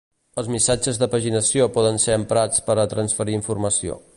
Els missatges de paginació poden ser emprats per a transferir informació.